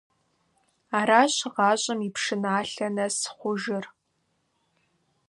Аращ гъащӀэм и пшыналъэ нэс хъужыр.